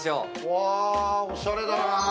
わ、おしゃれだな。